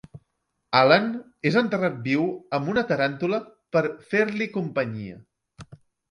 Alan és enterrat viu amb una taràntula per "fer-li companyia".